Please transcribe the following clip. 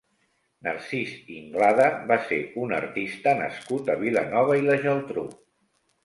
Narcís Ynglada va ser un artista nascut a Vilanova i la Geltrú.